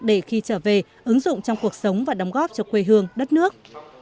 để khi trở về ứng dụng trong cuộc sống và đóng góp cho quê hương đất nước